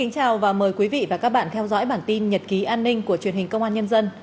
chào mừng quý vị đến với bản tin nhật ký an ninh của truyền hình công an nhân dân